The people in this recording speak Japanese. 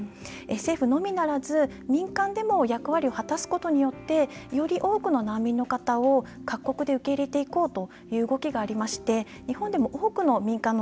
政府のみならず民間でも役割を果たすことによってより多くの難民の方を各国で受け入れていこうという動きがありまして日本でも多くの民間の方